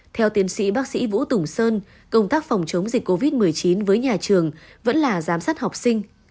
theo tiến sĩ bác sĩ vũ tùng sơn công tác phòng chống dịch covid một mươi chín với nhà trường vẫn là giám sát học sinh